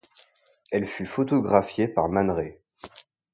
Elle fut photographiée par Man Ray.